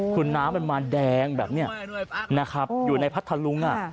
คุณน้ำบานแดงแบบนี้อยู่ในพัฒน์ทะลุง